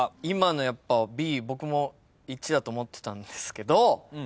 今のやっぱＢ僕も１だと思ってたんですけど。